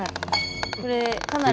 これかなり。